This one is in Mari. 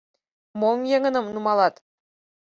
— Мом еҥыным нумалат?